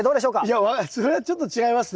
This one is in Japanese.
いやそれはちょっと違いますね。